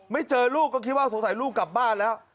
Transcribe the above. เจอลูกก็คิดว่าสงสัยลูกกลับบ้านแล้ว